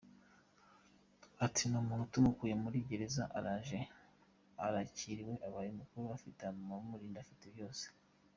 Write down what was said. Ati “Umuntu tumukuye muri gereza araje arakiriwe abaye mukuru, afite abamurinda, afite byose.